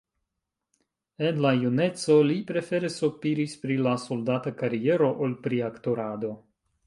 En la juneco li prefere sopiris pri la soldata kariero ol pri aktorado.